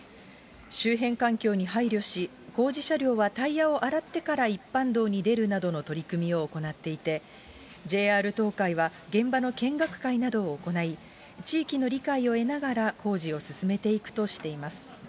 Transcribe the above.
周辺環境に配慮し、工事車両はタイヤを洗ってから一般道に出るなどの取り組みを行っていて、ＪＲ東海は、現場の見学会などを行い、地域の理解を得ながら工事を進めていくとしています。